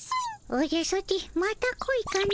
おじゃソチまた恋かの。